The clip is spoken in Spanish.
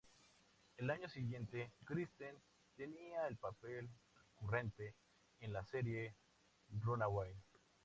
Al año siguiente, Kristen tenía el papel recurrente en la serie "Runaway".